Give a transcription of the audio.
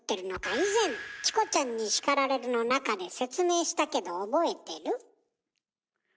以前「チコちゃんに叱られる！」の中で説明したけど覚えてる？